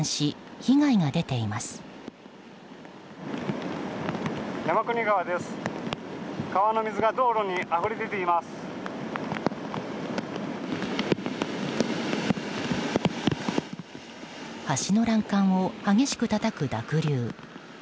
橋の欄干を激しくたたく濁流。